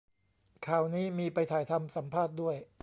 ข่าวนี้มีไปถ่ายทำ สัมภาษณ์ด้วย